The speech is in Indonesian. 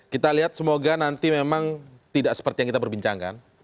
kita lihat semoga nanti memang tidak seperti yang kita perbincangkan